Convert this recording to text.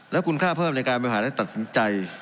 และคุณค่าเพิ่มในการบริหารและตัดสินใจ